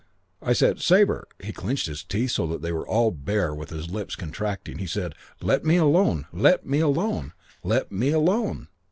"I said, 'Sabre ' "He clenched his teeth so they were all bare with his lips contracting. He said, 'Let me alone. Let me alone. Let me alone.'